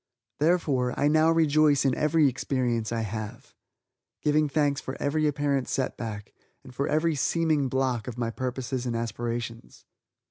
Therefore, I now rejoice in every experience I have giving thanks for every apparent set back, and for every "seeming" blocking of my purposes and aspirations.